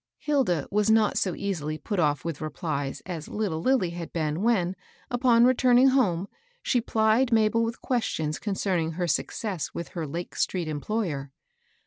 Hilda was not so easily put off with replies as little Lilly had been, when, upon returning home, she plied Mabel with questions concerning her success with her Lake street employer.